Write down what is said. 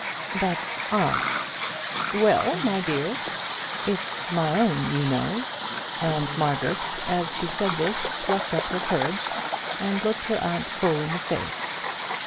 "But, aunt " "Well, my dear." "It's my own, you know." And Margaret, as she said this, plucked up her courage, and looked her aunt full in the face.